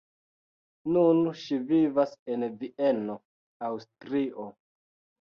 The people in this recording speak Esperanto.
Nun ŝi vivas en Vieno, Aŭstrio.